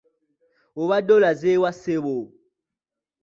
Obadde olaze wa ssebo?